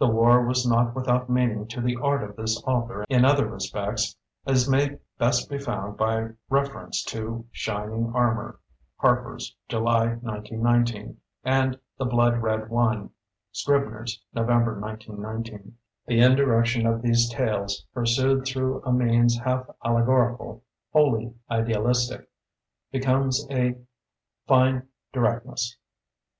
The war was not without meaning to the art of this author in other re spects, as may best be found by refer ence to "Shining Armor" ("Harper's", July, 1919) and "The Blood Red One" ("Scribner's", November, 1919). The indirection of these tales, pursued through a means half allegorical, wholly idealistic, becomes a fine direct ness.